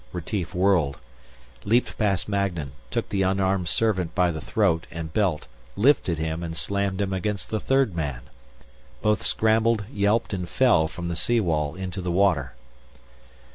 Retief whirled, leaped past Magnan, took the unarmed servant by the throat and belt, lifted him and slammed him against the third man. Both scrambled, yelped and fell from the sea wall into the water.